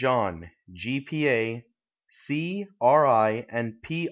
John, G. P. A., C., R. I. & P.